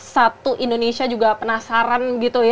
satu indonesia juga penasaran